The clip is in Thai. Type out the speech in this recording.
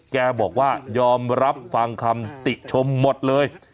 แกบอกว่ายอมรับคำศัพท์ติชมหมดเลย